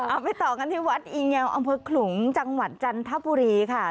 เอาไปต่อกันที่วัดอีแงวอำเภอขลุงจังหวัดจันทบุรีค่ะ